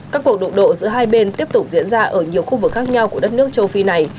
các cuộc đụng độ giữa hai bên tiếp tục diễn ra ở nhiều khu vực khác nhau của đất nước châu phi này